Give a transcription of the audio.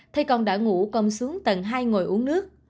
thay công đã ngủ công xuống tầng hai ngồi uống nước